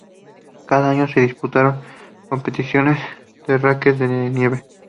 Cada año se disputan competiciones de raquetas de nieve.